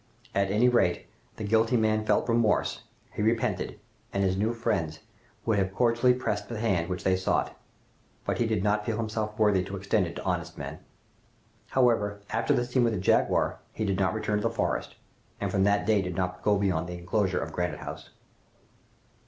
At any rate the guilty man felt remorse, he repented, and his new friends would have cordially pressed the hand which they sought; but he did not feel himself worthy to extend it to honest men! However, after the scene with the jaguar, he did not return to the forest, and from that day did not go beyond the enclosure of Granite House.